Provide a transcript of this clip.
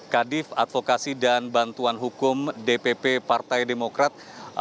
kadif advokasi dan bantuan hukum dpp partai demokrat